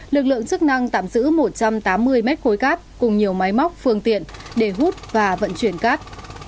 lực lượng chức năng tạm giữ một trăm tám mươi mét khối cát cùng nhiều máy móc phương tiện để hút và vận chuyển cát